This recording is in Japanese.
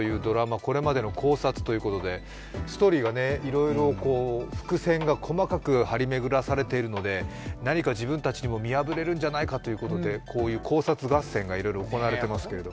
これまでの考察ということで、ストーリーがいろいろ伏線が細かく張り巡らされているので、見破れるんじゃないかということで考察合戦が行われているんですけれども。